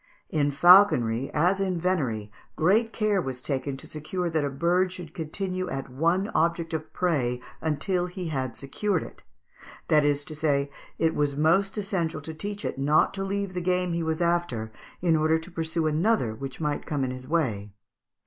In falconry, as in venery, great care was taken to secure that a bird should continue at one object of prey until he had secured it, that is to say, it was most essential to teach it not to leave the game he was after in order to pursue another which might come in his way.